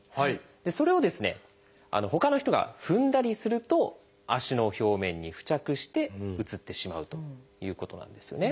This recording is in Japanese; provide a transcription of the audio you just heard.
それをほかの人が踏んだりすると足の表面に付着してうつってしまうということなんですよね。